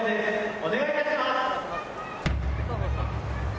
「お願いいたします」